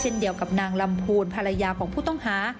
เดียวกับนางลำพูนภรรยาของผู้ต้องหา